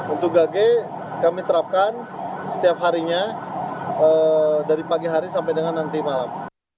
untuk gage kami terapkan setiap harinya dari pagi hari sampai dengan nanti malam